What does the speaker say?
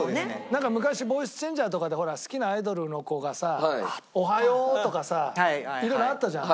なんか昔ボイスチェンジャーとかでほら好きなアイドルの子がさ「おはよう！」とかさいろいろあったじゃん。